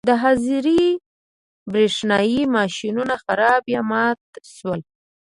د حاضرۍ برېښنايي ماشینونه خراب یا مات شول.